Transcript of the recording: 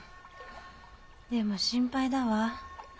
でも心配だわ。